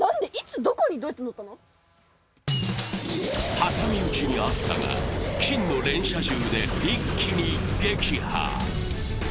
挟み撃ちに遭ったが、金の連射銃で一気に撃破。